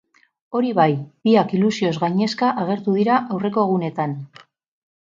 Hori bai, biak ilusioz gainezka agertu dira aurreko egunetan.